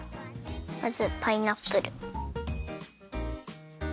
まずパイナップル。